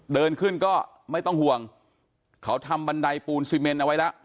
เดินขึ้นก็ไม่ต้องห่วงเขาทำบันไดปูนซีเมนเอาไว้แล้ว